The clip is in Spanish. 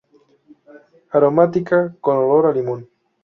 Aromática, con olor a limón